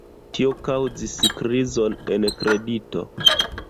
Tio kaŭzis krizon en kredito.